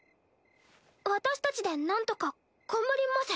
私たちでなんとか頑張ります。